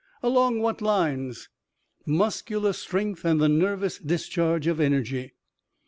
"Along what lines?" "Muscular strength and the nervous discharge of energy."